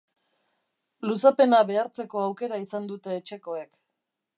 Luzapena behartzeko aukera izan dute etxekoek.